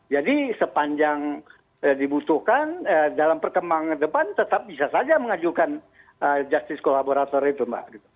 jadi sepanjang dibutuhkan dalam perkembangan depan tetap bisa saja mengajukan justice collaborator itu mbak